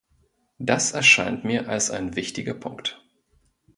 Das erscheint mir als ein wichtiger Punkt.